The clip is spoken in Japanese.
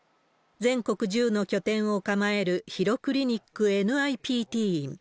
全国１０の拠点を構えるヒロクリニックＮＩＰＴ院。